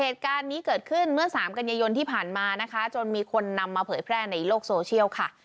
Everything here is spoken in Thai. เหตุการณ์นี้เกิดขึ้นเมื่อสามกันยายนที่ผ่านมานะคะจนมีคนนำมาเผยแพร่ในโลกโซเชียลค่ะ